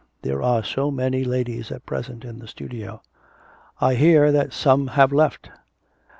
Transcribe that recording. There are so many ladies at present in the studio.' 'I hear that some have left?